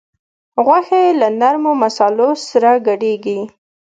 غوښه یې له نرمو مصالحو سره ګډیږي.